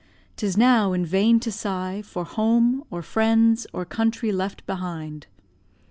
'Tis now in vain to sigh For home, or friends, or country left behind.